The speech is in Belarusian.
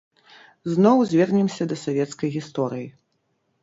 Зноў звернемся да савецкай гісторыі.